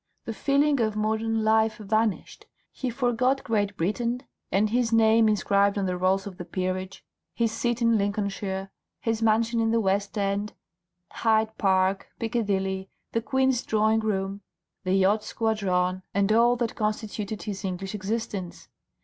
The feeling of modern life vanished, he forgot Great Britain and his name inscribed on the rolls of the peerage, his seat in Lincolnshire, his mansion in the West End, Hyde Park, Piccadilly, the Queen's Drawing Room, the Yacht Squadron, and all that constituted his English existence.